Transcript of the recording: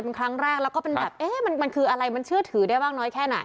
เป็นครั้งแรกแล้วก็เป็นแบบเอ๊ะมันคืออะไรมันเชื่อถือได้มากน้อยแค่ไหน